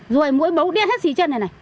rùi mũi bấu điên hết xí chân này này